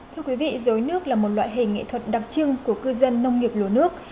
thưa quý vị dối nước là một loại hình nghệ thuật đặc trưng của cư dân nông nghiệp lúa nước